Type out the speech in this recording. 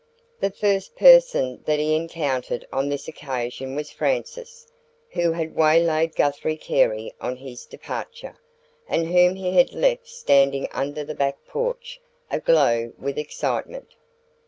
The first person that he encountered on this occasion was Frances, who had waylaid Guthrie Carey on his departure, and whom he had left standing under the back porch, aglow with excitement.